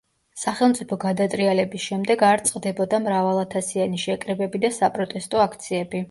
სახელმწიფო გადატრიალების შემდეგ არ წყდებოდა მრავალათასიანი შეკრებები და საპროტესტო აქციები.